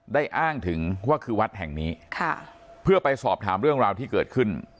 อ้างถึงว่าคือวัดแห่งนี้ค่ะเพื่อไปสอบถามเรื่องราวที่เกิดขึ้น